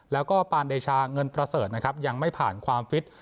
แล้วก็ปานเดชาเงินประเสริฐนะครับยังไม่ผ่านความฟิต